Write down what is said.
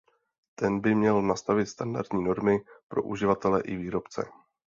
Ten by měl nastavit standardní normy pro uživatele i výrobce.